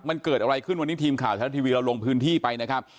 มันเกิดอะไรขึ้นวันนี้ทีมข่าวไทยรัฐทีวีเราลงพื้นที่ไปนะครับ